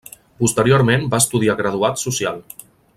Posteriorment va estudiar graduat social.